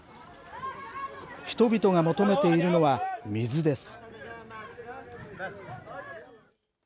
人々が求めているのは水です。